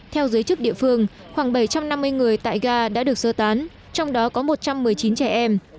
theo giới chức địa phương khoảng bảy trăm năm mươi người tại ga đã được sơ tán trong đó có một trăm một mươi chín trẻ em